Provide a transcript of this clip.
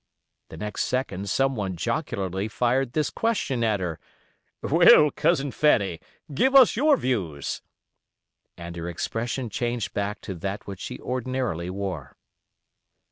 The next second some one jocularly fired this question at her: "Well, Cousin Fanny, give us your views," and her expression changed back to that which she ordinarily wore.